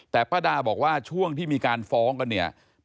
แต่ป้าดาบอกว่าช่วงที่มีการฟ้องกันเนี่ย